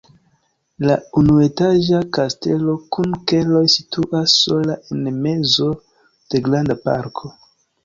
La unuetaĝa kastelo kun keloj situas sola en mezo de granda parko.